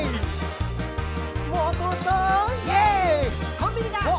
「コンビニだ！